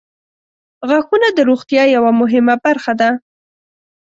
• غاښونه د روغتیا یوه مهمه برخه ده.